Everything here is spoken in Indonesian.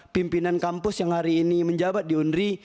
pimpinan kampus yang hari ini menjabat di unri